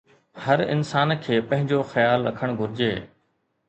هر انسان کي پنهنجو خيال رکڻ گهرجي